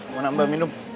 mau nambah minum